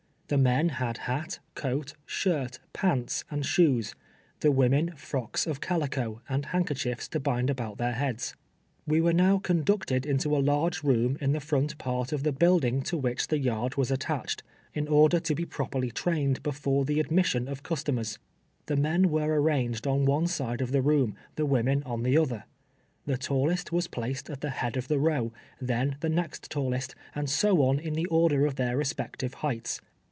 Tlie men had hat, C(^at, shirt, pants and shoes ; the women frocks of calico, and handkerchiefs to bind about their heads. "\Ve were now conducted into a large room in the front part of the building to which FKEE^LVn's DvDUSTET. T9 tlie yard Tvas attaclied, in order to be properly ti'ained, before the admission of customei's. The men were arranged on one side of tlie room, the ^^'omen on the other. The tallest was placed at the head of the row, then the next tallest, and so on in the order of their respective heights.